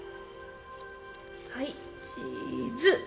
はいチーズ！